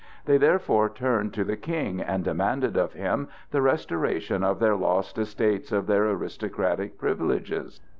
They therefore turned to the King and demanded of him the restoration of their lost estates of their aristocratic privileges.